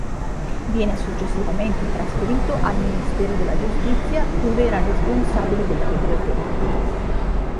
Viene successivamente trasferito al Ministero della Giustizia, dove era responsabile della biblioteca.